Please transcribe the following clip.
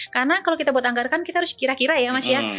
karena kalau kita buat anggaran kita harus kira kira ya mas ya